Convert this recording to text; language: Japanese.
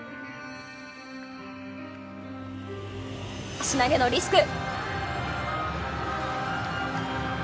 足投げのリスク。